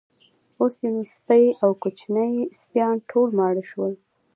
اوس یې نو سپۍ او کوچني سپیان ټول ماړه شول.